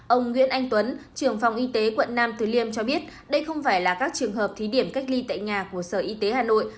ông nguyễn anh tuấn trường phòng y tế quận nam từ liêm cho biết đây không phải là các trường hợp thí điểm cách ly tại nhà của sở y tế hà nội